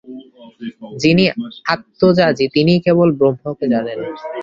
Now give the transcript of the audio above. যিনি আত্মযাজী, তিনিই কেবল ব্রহ্মকে জানেন।